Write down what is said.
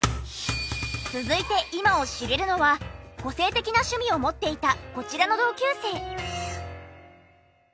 続いて今を知れるのは個性的な趣味を持っていたこちらの同級生。